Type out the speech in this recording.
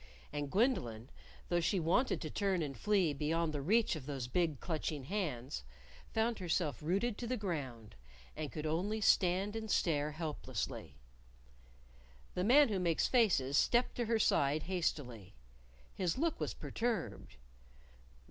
And Gwendolyn, though she wanted to turn and flee beyond the reach of those big, clutching hands, found herself rooted to the ground, and could only stand and stare helplessly. The Man Who Makes Faces stepped to her side hastily. His look was perturbed.